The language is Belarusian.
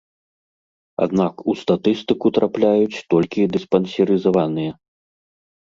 Аднак у статыстыку трапляюць толькі дыспансерызаваныя.